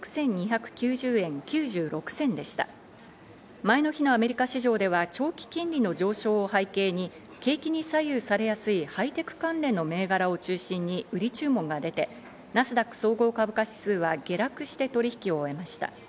前の日のアメリカ市場では長期金利の上昇を背景に、景気に左右されやすいハイテク関連の銘柄を中心に売り注文が出て、ナスダック総合株価指数は下落して取引を終えました。